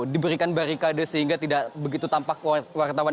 diberikan barikade sehingga tidak begitu tampak wartawan